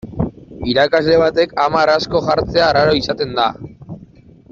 Irakasle batek hamar asko jartzea arraro izaten da.